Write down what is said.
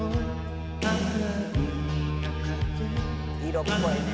色っぽいね。